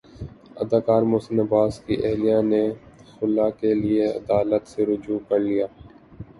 اداکار محسن عباس کی اہلیہ نے خلع کے لیے عدالت سےرجوع کر لیا